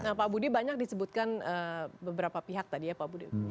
nah pak budi banyak disebutkan beberapa pihak tadi ya pak budi